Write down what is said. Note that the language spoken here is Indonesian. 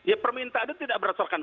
ya permintaan itu tidak berdasarkan